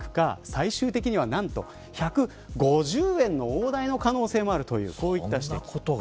最終的には、なんと１５０円の大台の可能性もあるという指摘。